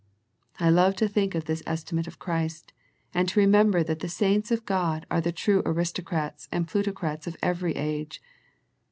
I love to think of this estimate of Christ, and to remember that the saints of —God are the true aristocrats and plutocrats of every age.